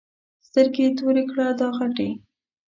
سترګې تورې کړه دا غټې.